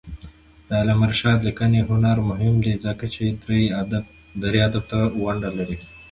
د علامه رشاد لیکنی هنر مهم دی ځکه چې دري ادب ته ونډه لري.